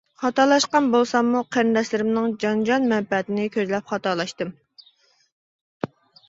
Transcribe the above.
خاتالاشقان بولساممۇ، قېرىنداشلىرىمنىڭ جانىجان مەنپەئەتىنى كۆزلەپ خاتالاشتىم.